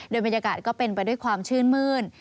โดยบรรยากาศก็เป็นไปด้วยความชื่นมื้น